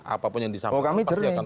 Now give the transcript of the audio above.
apapun yang disampaikan pasti akan